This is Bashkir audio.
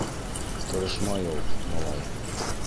— Тырышмай ул, малай.